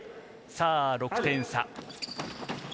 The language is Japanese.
６点差。